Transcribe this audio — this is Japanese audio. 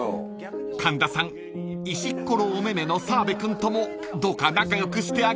［神田さん石っころおめめの澤部君ともどうか仲良くしてあげてください］